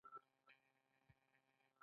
ګورو چې بانکوال پیسې په دوه سلنه ګټه اخلي